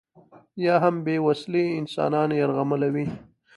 یا هم بې وسلې انسانان یرغمالوي.